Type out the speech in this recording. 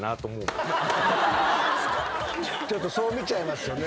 ちょっとそう見ちゃいますよね。